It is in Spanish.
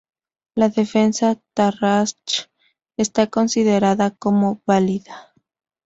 La Defensa Tarrasch está considerada como válida.